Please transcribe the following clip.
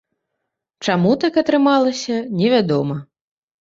Чаму так атрымалася, невядома.